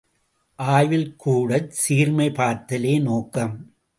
ஆய்வில் கூடச் சீர்மை பார்த்தலே நோக்கம்.